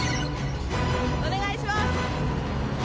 お願いします。